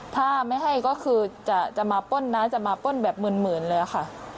ถ้าไม่ให้ก็คือจะจะมาปล้นน่ะจะมาปล้นแบบเหมือนเหมือนเลยค่ะ